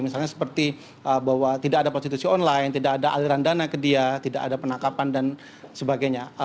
misalnya seperti bahwa tidak ada prostitusi online tidak ada aliran dana ke dia tidak ada penangkapan dan sebagainya